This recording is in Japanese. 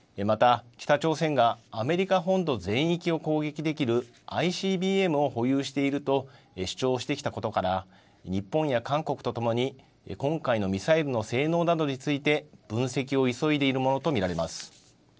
また北朝鮮がアメリカ本土全域を攻撃できるＩＣＢＭを保有していると主張してきたことから日本や韓国とともに今回のミサイルの性能などについて分析を急いでいるものと見られます。